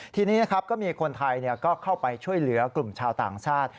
ทีนี้นะครับก็มีคนไทยก็เข้าไปช่วยเหลือกลุ่มชาวต่างชาติ